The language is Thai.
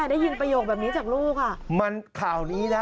ได้ยินประโยคแบบนี้จากลูกอ่ะมันข่าวนี้นะ